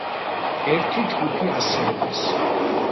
ერთი ჯგუფი ასეულის.